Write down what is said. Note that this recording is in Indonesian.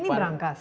jadi ini berangkas